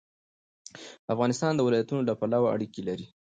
افغانستان د ولایتونو له پلوه اړیکې لري.